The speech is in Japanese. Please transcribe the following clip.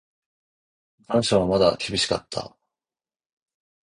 残暑はまだ厳しかった。